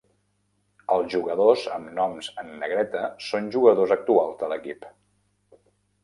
Els jugadors amb noms en negreta són jugadors actuals de l'equip.